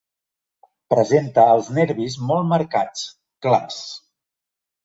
Presenta els nervis molt marcats, clars.